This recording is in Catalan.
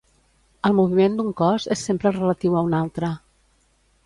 El moviment d'un cos és sempre relatiu a un altre.